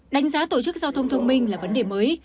đánh giá tổ chức giao thông thông minh là vấn đề mới